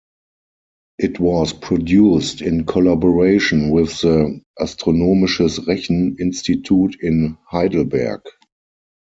It was produced in collaboration with the Astronomisches Rechen-Institut in Heidelberg.